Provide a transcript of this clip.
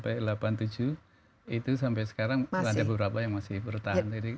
itu sampai sekarang ada beberapa yang masih bertahan